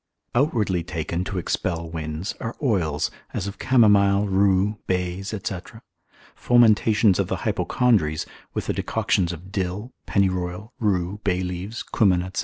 Outwardly taken to expel winds, are oils, as of camomile, rue, bays, &c. fomentations of the hypochondries, with the decoctions of dill, pennyroyal, rue, bay leaves, cumin, &c.